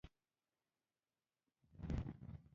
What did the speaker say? د خلکو پاملرنه ځان خواته واړوي.